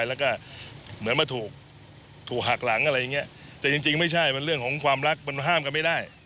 แล้วก็เหมือนมาถูกหักหลังอะไรอย่างเงี้ยแต่จริงจริงไม่ใช่มันเรื่องของความรักมันห้ามกันไม่ได้